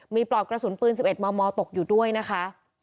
มีปลอกกระสุนปืน๑๑มมตกอยู่ด้วยนะคะ